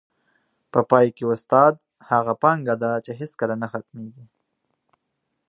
په پای کي، استاد هغه پانګه ده چي هیڅکله نه ختمېږي.